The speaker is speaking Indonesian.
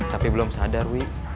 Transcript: tapi belum sadar wih